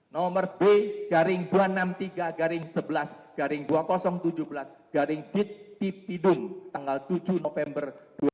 nomor b garing dua ratus enam puluh tiga garing sebelas garing dua ribu tujuh belas garing b b b d tanggal tujuh november dua ribu tujuh belas